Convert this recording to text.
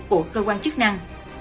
của cơ quan chức năng